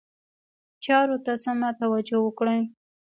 چارو ته سمه توجه وکړي.